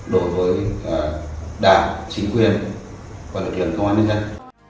đối với đảng chính quyền và lực lượng công an nhân dân